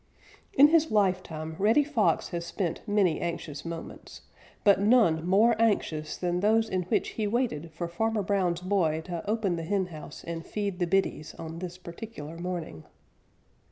_ In his lifetime Reddy Fox has spent many anxious moments, but none more anxious than those in which he waited for Farmer Brown's boy to open the henhouse and feed the biddies on this particular morning.